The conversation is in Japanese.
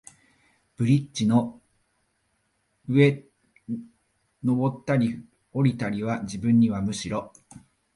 ブリッジの上ったり降りたりは、自分にはむしろ、